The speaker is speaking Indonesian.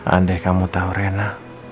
andai kamu tau rena